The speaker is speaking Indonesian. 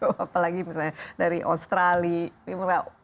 apalagi misalnya dari australia